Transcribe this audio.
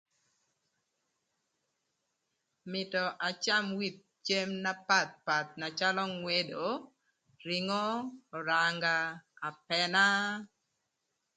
Mïtö acam with cem na papath na calö ngwedo, ringo, öranga, apëna.